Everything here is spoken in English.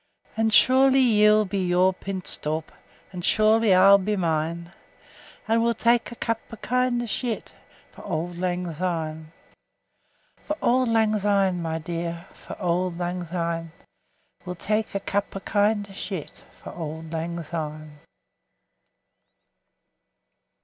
And surely ye'll be your pint stowp, And surely I'll be mine; And we'll tak a cup o' kindness yet For auld lang syne! 20 For auld lang syne, my dear, For auld lang syne, We'll tak a cup o' kindness yet For auld lang syne.